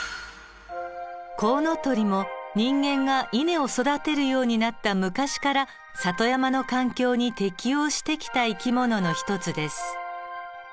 コウノトリも人間が稲を育てるようになった昔から里山の環境に適応してきた生き物の一つです。